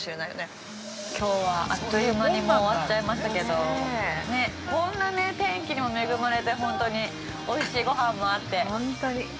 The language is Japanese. ◆きょうはあっという間に終わっちゃいましたけど、こんな天気にも恵まれて、おいしいごはんもあって、◆ほんとに！